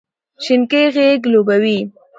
شینککۍ غیږ لوبوې،